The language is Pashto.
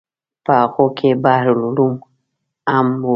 په هغو کې بحر العلوم هم و.